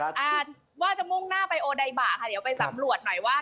อ่าว่าจะมุ่งหน้าไปโอไดบ่าค่ะเดี๋ยวไปสำรวจหน่อยว่า